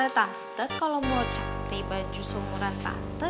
tante kalo mau cantik baju seumuran tante